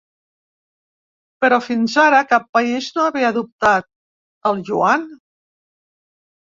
Però fins ara cap país no havia adoptat el iuan.